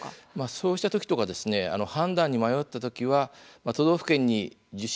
そうした時とか判断に迷った時は都道府県に受診